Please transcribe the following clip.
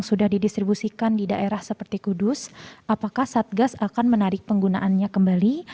sudah didistribusikan di daerah seperti kudus apakah satgas akan menarik penggunaannya kembali